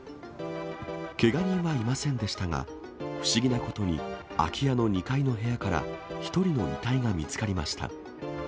けが人はいませんでしたが、不思議なことに空き家の２階の部屋から１人の遺体が見つかりました。